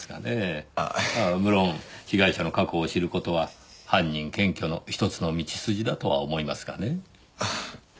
ああ無論被害者の過去を知る事は犯人検挙のひとつの道筋だとは思いますがね。